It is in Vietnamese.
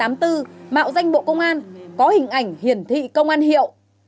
mạo danh bộ công an có hình ảnh hiển thị công an hiệu